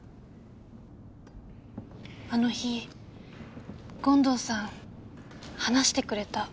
あの日権藤さん話してくれた。